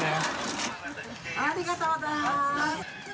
ありがとうございます。